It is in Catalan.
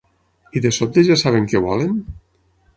I de sobte ja saben què volen?